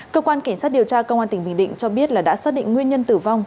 cơ quan cảnh sát điều tra công an tỉnh bình định cho biết là đã xác định nguyên nhân tử vong